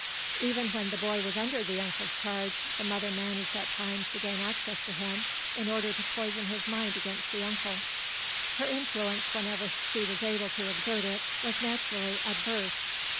Even when the boy was under the uncle's charge, the mother managed at times to gain access to him in order to poison his mind against the uncle. Her influence whenever she was able to exert it was naturally adverse.